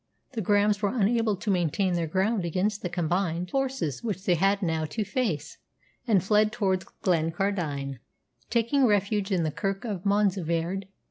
The Grahams were unable to maintain their ground against the combined forces which they had now to face, and fled towards Glencardine, taking refuge in the Kirk of Monzievaird.